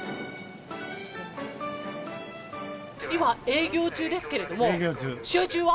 今、営業中ですけれども、試合中は？